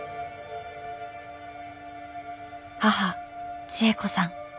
母千恵子さん。